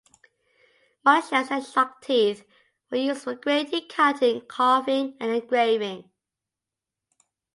Mollusks shells and shark teeth were used for grating, cutting, carving and engraving.